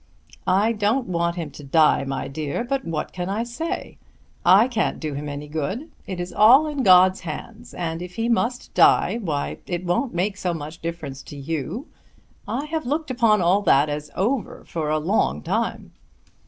"I don't want him to die, my dear; but what can I say? I can't do him any good. It is all in God's hands, and if he must die why, it won't make so much difference to you. I have looked upon all that as over for a long time."